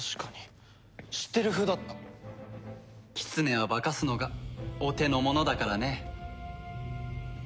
キツネは化かすのがお手のものだからね。